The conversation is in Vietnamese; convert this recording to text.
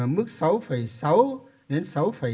ở mức sáu sáu đến sáu tám